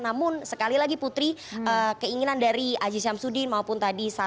namun sekali lagi putri keinginan dari aji syamsuddin maupun tadi setia novanto